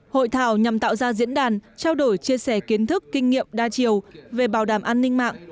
hội thảo nhằm tạo ra diễn đàn trao đổi chia sẻ kiến thức kinh nghiệm đa chiều về bảo đảm an ninh mạng